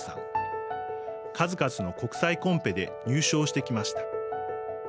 数々の国際コンペで入賞してきました。